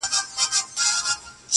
د تازه هوا مصرف یې ورښکاره کړ!.